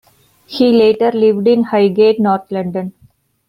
He later lived in Highgate, north London.